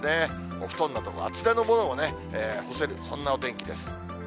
お布団なども厚手のものも干せる、そんなお天気です。